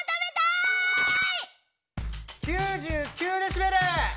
９９デシベル！